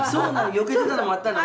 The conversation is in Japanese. よけてたのもあったの？